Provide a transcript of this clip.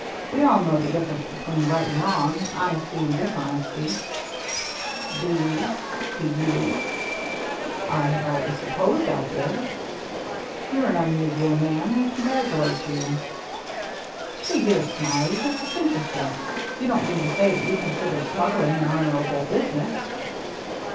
We all know the difference between right and wrong, honesty and dishonesty." " Do we ? Do you ?"" I have always supposed I did." HARBOR LIGHTS 393 "You're an unusual man. I congratulate you." " See here. Smiley, this is interesting. You don't mean to say that you consider smuggling an honorable business